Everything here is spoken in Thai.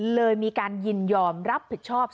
เลยมีการยินยอมรับผิดชอบ